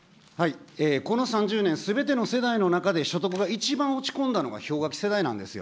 この３０年、すべての世代の中で、所得が一番落ち込んだのが氷河期世代なんですよ。